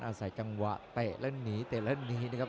อาศัยจังหวะเตะและหนีเตะและดีนะครับ